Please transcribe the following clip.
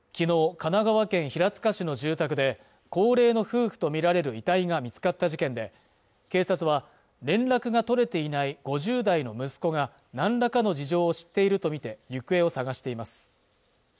神奈川県平塚市の住宅で高齢の夫婦とみられる遺体が見つかった事件で警察は連絡が取れていない５０代の息子が何らかの事情を知っているとみて行方を捜しています